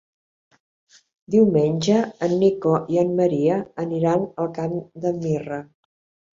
Diumenge en Nico i en Maria aniran al Camp de Mirra.